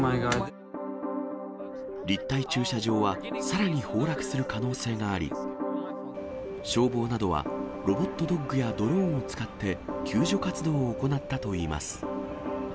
立体駐車場はさらに崩落する可能性があり、消防などはロボットドッグやドローンを使って、救助活動を行ったといいます。